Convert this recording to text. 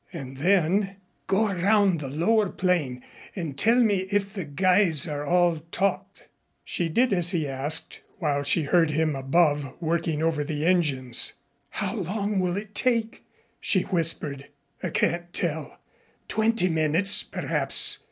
And then: "Go around the lower plane and tell me if the guys are all taut." She did as he asked, while she heard him above working over the engines. "How long will it take?" she whispered. "I can't tell twenty minutes, perhaps.